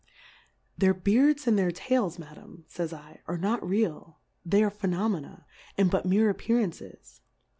Their Beards and their Tails, Ma dam, /^w /, are not real, they are P/;^ nomena^ and but meer Appearances.